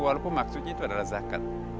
walaupun maksudnya itu adalah zakat